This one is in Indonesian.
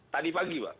tadi pagi pak